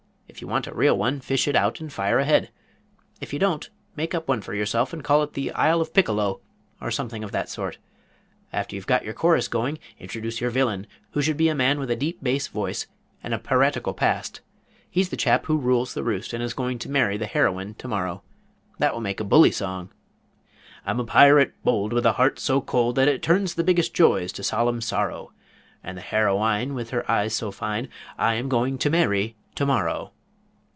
If you want a real one, fish it out and fire ahead. If you don't, make one up for yourself and call it 'The Isle of Piccolo,' or something of that sort. After you've got your chorus going, introduce your villain, who should be a man with a deep bass voice and a piratical past. He's the chap who rules the roost and is going to marry the heroine to morrow. That will make a bully song: "I'm a pirate bold With a heart so cold That it turns the biggest joys to solemn sorrow; And the hero ine, With her eyes so fine, I am going to marry to morrow.